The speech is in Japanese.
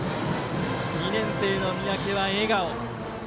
２年生の三宅は笑顔。